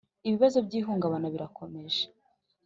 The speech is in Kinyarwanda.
Ibibazo by ihungabana birakomeje